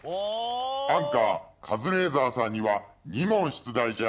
アンカーカズレーザーさんには２問出題じゃ。